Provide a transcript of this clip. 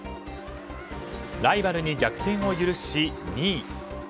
ライバルに逆転を許し２位。